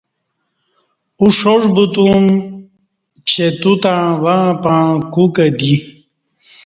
اوں ݜاݜ بوتُم چہ توتݩع وݩع پݩع کوکہ دی